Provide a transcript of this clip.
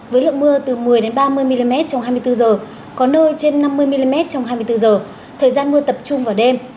với lượng mưa từ một mươi ba mươi mm trong hai mươi bốn h có nơi trên năm mươi mm trong hai mươi bốn h thời gian mưa tập trung vào đêm